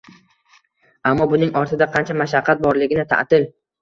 Ammo buning ortida qancha mashaqqat borligini ta’til